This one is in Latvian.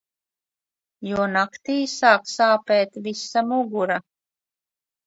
Jo naktī sāk sāpēt visa mugura.